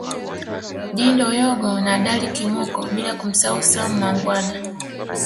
Dindo Yogo na Dally Kimoko bila kumsahau Sam Mangwana